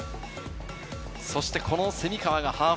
そしてこの蝉川がハーフ